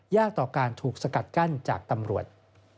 ต่อการถูกสกัดกั้นจากตำรวจ